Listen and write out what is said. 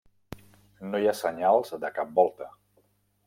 No hi ha senyals de cap volta.